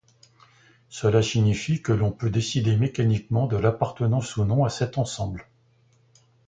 Cela signifie que l'on peut décider mécaniquement de l'appartenance ou non à cet ensemble.